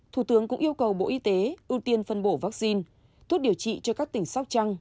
thủ tướng cũng yêu cầu bộ y tế ưu tiên phân bổ vaccine thuốc điều trị cho các tỉnh sóc trăng